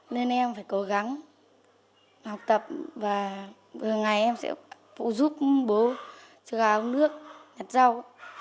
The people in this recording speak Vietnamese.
nên em phải cố gắng học tập và từ ngày em sẽ phụ giúp bố chữa gà uống nước nhặt rau